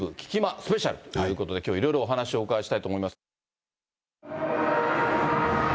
スペシャルということできょう、いろいろお話をお伺いしたいと思います。